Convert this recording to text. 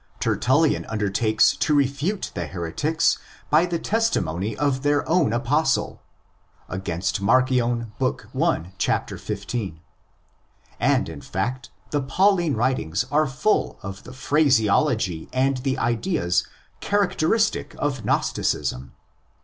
Tertullian undertakes to refute the '' heretics' by the testimony of their own Apostle ('' Apostolus vester,"" Adv. Marc. 1. 15). And, in fact, the Pauline writings are full of the phraseology and the ideas characteristic of Gnosticism.